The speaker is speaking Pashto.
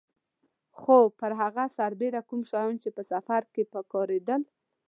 خو پر هغه سربېره کوم شیان چې په سفر کې په کارېدل.